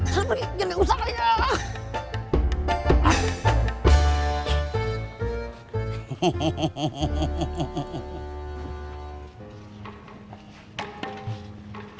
jangan usah kayak gini